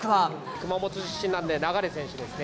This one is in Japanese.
熊本出身なんで流選手ですね。